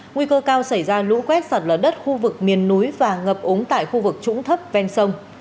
nguy cơ cao xảy ra lũ quét sạt lở đất khu vực miền núi và ngập ống tại khu vực trũng thấp ven sông